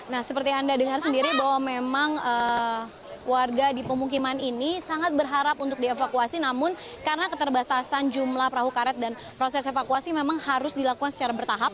nah seperti anda dengar sendiri bahwa memang warga di pemukiman ini sangat berharap untuk dievakuasi namun karena keterbatasan jumlah perahu karet dan proses evakuasi memang harus dilakukan secara bertahap